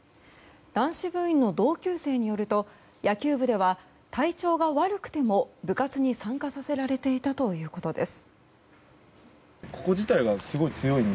男子部員の同級生によると野球部では体調が悪くても部活に参加させられていたということです。